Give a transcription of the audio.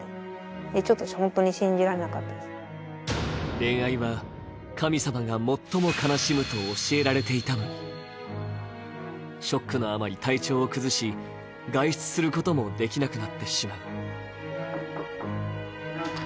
恋愛は神様が最も悲しむと教えられていたのにショックのあまり体調を崩し、外出することもできなくなってしまう。